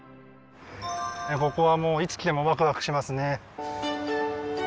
ここはもういつ来てもワクワクしますね。